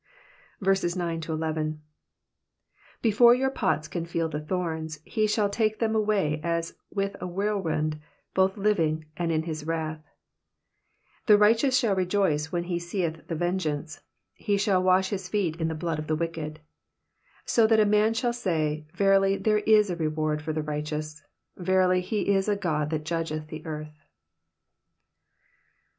9 Before your pots can feel the thorns, he shall take them away as with a whirlwind, both living, and in his wrath. 10 The righteous shall rejoice when he seeth the vengeance : he shall wash his feet in the blood of the wicked. Digitized by VjOOQIC PSALM THE FIFTY EIGHTH. 65 II So that a man shall say, Verily there is a reward for the righteous : verily he is a God that judgeth in the earth.